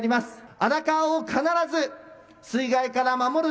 荒川を必ず水害から守る。